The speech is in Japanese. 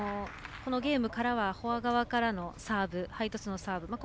このゲームからはフォア側からのサーブハイトスのサーブ。